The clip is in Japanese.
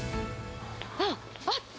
あっ、あった。